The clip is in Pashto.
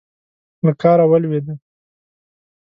له کاره ولوېده.